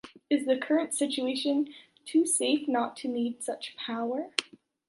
Is the current situation too safe not to need such power?